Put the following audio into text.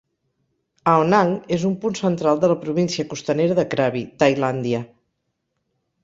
Ao Nang és un punt central de la província costanera de Krabi, Tailàndia.